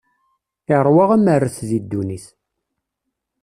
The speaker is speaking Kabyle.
Iṛwa amerret di ddunit.